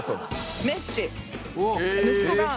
メッシ。